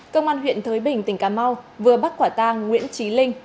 công an huyện thới bình tỉnh cà mau vừa bắt quả tang nguyễn trí linh